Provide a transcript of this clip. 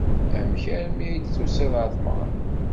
Amek armi ur d-tusid ɣer tmeɣra?